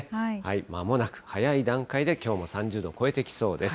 まもなく、早い段階できょうも３０度超えてきそうです。